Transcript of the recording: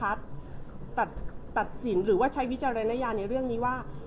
ผมเลยจากนั้นถูกตัดสินหรือว่าใช้วิจารณญาณในเรื่องนี้ว่า